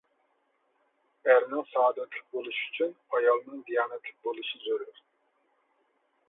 ئەرنىڭ سائادەتلىك بولۇشى ئۈچۈن ئايالنىڭ دىيانەتلىك بولۇشى زۆرۈر.